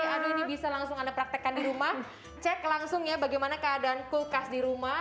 aduh ini bisa langsung anda praktekkan di rumah cek langsung ya bagaimana keadaan kulkas di rumah